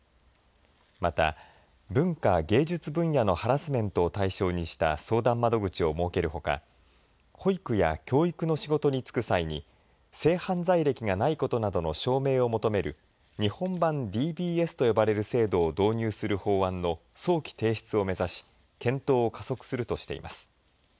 また文化芸術分野のハラスメントを対象にした相談窓口を設けるほか保育や教育の仕事に就く際に性犯罪歴がないことなどの証明を求める日本版ＤＢＳと呼ばれる制度を導入する法案の早期提出を目指し検討を加速するとしています。